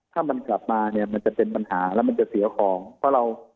ถ้ามันกลับมาเนี่ยมันจะเป็นปัญหาแล้วมันจะเสียของเพราะเรา